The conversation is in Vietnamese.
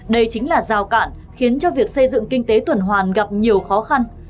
đây chính là rào cản khiến cho việc xây dựng kinh tế tuần hoàn gặp nhiều khó khăn